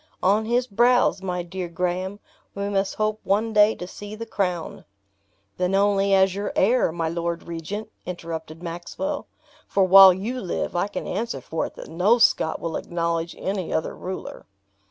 On his brows, my dear Graham, we must hope one day to see the crown." "Then only as your heir, my lord regent," interrupted Maxwell; "for while you live, I can answer for it that no Scot will acknowledge any other ruler."